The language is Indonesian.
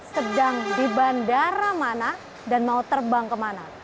sedang di bandara mana dan mau terbang ke mana